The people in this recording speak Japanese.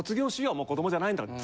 もう子どもじゃないんだから」